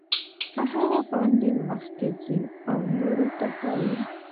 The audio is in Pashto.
په هغه باندې مخکې ځي او نورو ته ښایي.